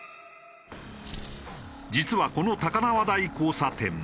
実はこの高輪台交差点